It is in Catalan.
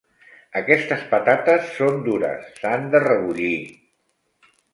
Aquestes patates són dures: s'han de rebullir.